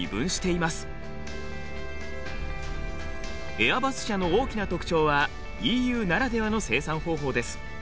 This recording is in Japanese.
エアバス社の大きな特徴はＥＵならではの生産方法です。